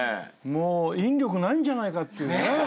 もう引力ないんじゃないかっていうね。